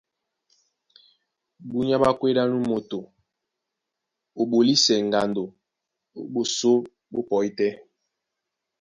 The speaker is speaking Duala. Búnyá ɓwá kwédí á nú moto ó ɓolisɛ ŋgando a ɓosó ɓó pɔí tɛ́,